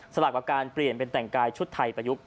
สำหรับการเปลี่ยนเป็นแต่งกายชุดไทยประยุกต์